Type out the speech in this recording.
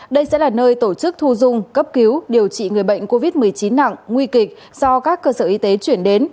đây sẽ là nơi tổ chức thu dung cấp cứu điều trị người bệnh covid một mươi chín nặng nguy kịch do các cơ sở y tế chuyển đến